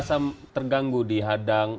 kalau terganggu terganggu